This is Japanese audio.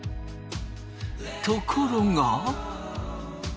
ところが。